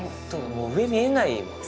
もう上、見えないもんな。